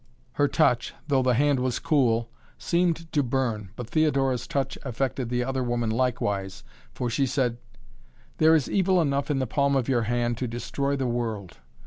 Her touch, though the hand was cool, seemed to burn, but Theodora's touch affected the other woman likewise for she said: "There is evil enough in the palm of your hand to destroy the world!